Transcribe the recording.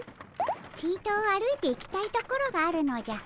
ちと歩いていきたいところがあるのじゃ。